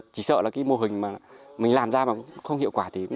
chỉ sợ là cái mô hình mà mình làm ra mà không hiệu quả thì